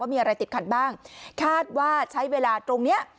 มีอะไรติดขัดบ้างคาดว่าใช้เวลาตรงเนี้ย